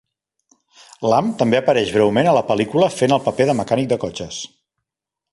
Lam també apareix breument a la pel·lícula fent el paper de mecànic de cotxes.